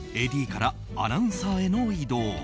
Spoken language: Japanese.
ＡＤからアナウンサーへの異動。